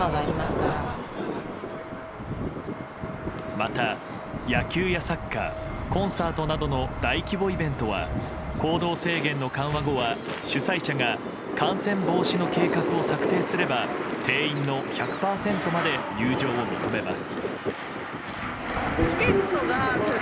また、野球やサッカーコンサートなどの大規模イベントは行動制限の緩和後は主催者が感染防止の計画を策定すれば定員の１００％まで入場を認めます。